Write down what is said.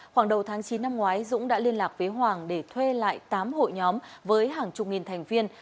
khoảng đầu tháng chín năm ngoái dũng đã liên lạc với hoàng để thuê lại tám hội nhóm với hàng chục nghìn thành viên